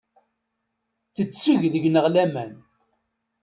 Tetteg deg-neɣ laman.